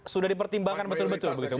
sudah dipertimbangkan betul betul